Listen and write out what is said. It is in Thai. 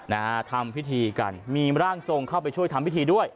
น้ำทาเปนผิดทรีย์กันมีร่างทรงข้าวไปช่วยทำพิธีด้วย